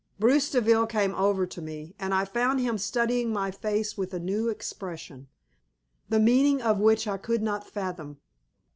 Bruce Deville came over to me, and I found him studying my face with a new expression, the meaning of which I could not fathom.